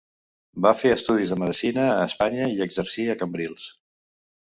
Va fer estudis de medicina a Espanya i exercí a Cambrils.